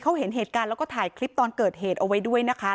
เขาเห็นเหตุการณ์แล้วก็ถ่ายคลิปตอนเกิดเหตุเอาไว้ด้วยนะคะ